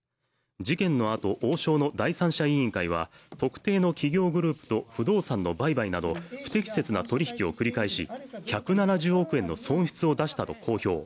事件のあと王将の第三者委員会は特定の企業グループと不動産の売買など不適切な取り引きを繰り返し、１７０億円の損失を出したと公表。